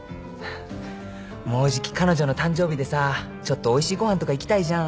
もうじき彼女の誕生日でさちょっとおいしいご飯とか行きたいじゃん。